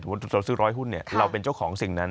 ถือว่าเราซื้อ๑๐๐หุ้นเนี่ยเราเป็นเจ้าของสิ่งนั้น